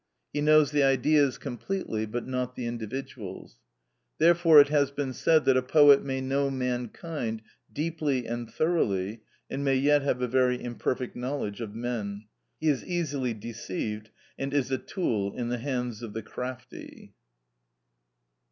He knows the Ideas completely but not the individuals. Therefore it has been said that a poet may know mankind deeply and thoroughly, and may yet have a very imperfect knowledge of men. He is easily deceived, and is a tool in the hands of the crafty.